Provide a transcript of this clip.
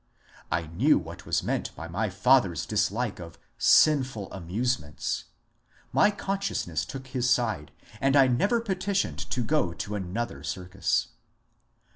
I knew what was meant by my father's dislike of ^^ sinful amusements ;" my conscience took his side, and I never petitioned to go to another circus.